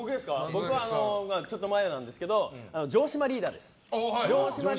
僕は、ちょっと前なんですけど城島リーダーの伝説です。